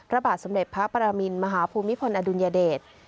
พระบาทสมเด็จพระปรมินมหาภูมิพลอดุลยเดช